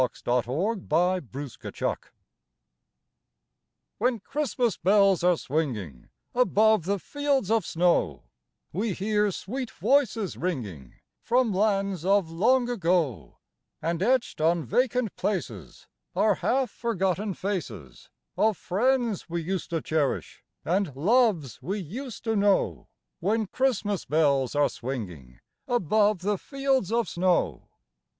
CHRISTMAS FANCIES When Christmas bells are swinging above the fields of snow, We hear sweet voices ringing from lands of long ago, And etched on vacant places Are half forgotten faces Of friends we used to cherish, and loves we used to know— When Christmas bells are swinging above the fields of snow.